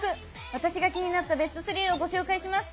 私が気になったＢＥＳＴ３をご紹介します。